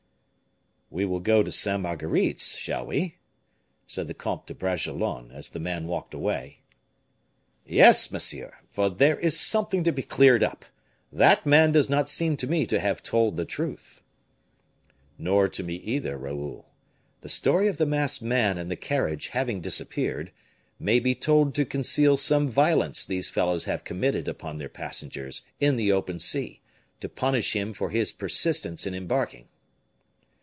"We will go to Sainte Marguerite's, shall we?" said the comte to Bragelonne, as the man walked away. "Yes, monsieur, for there is something to be cleared up; that man does not seem to me to have told the truth." "Nor to me either, Raoul. The story of the masked man and the carriage having disappeared, may be told to conceal some violence these fellows have committed upon their passengers in the open sea, to punish him for his persistence in embarking."